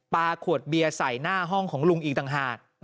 ขวดเบียร์ใส่หน้าห้องของลุงอีกต่างหาก